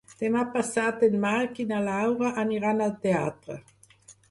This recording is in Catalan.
Demà passat en Marc i na Laura aniran al teatre.